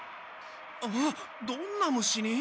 あどんな虫に？